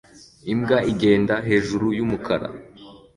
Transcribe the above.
Imbwa igenda hejuru yumukara